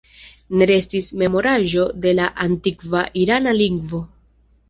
Ne restis memoraĵo de la antikva irana lingvo.